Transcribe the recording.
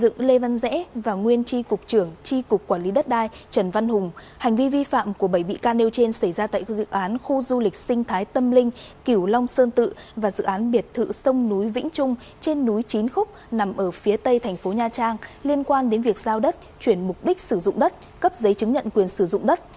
ubnd tp hà nội trữ xuân dũng đã ký ban hành vi vi phạm của bảy bị can nêu trên xảy ra tại dự án khu du lịch sinh thái tâm linh kiểu long sơn tự và dự án biệt thự sông núi vĩnh trung trên núi chín khúc nằm ở phía tây thành phố nha trang liên quan đến việc giao đất chuyển mục đích sử dụng đất cấp giấy chứng nhận quyền sử dụng đất